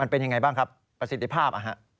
มันเป็นอย่างไรบ้างครับประสิทธิภาพ